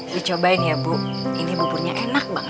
dicobain ya bu ini buburnya enak banget